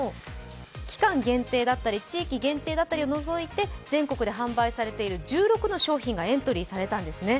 期間限定だったり地域限定だったりを除いて全国で販売されている１６の商品がエントリーされたんですね。